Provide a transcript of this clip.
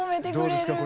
どうですか？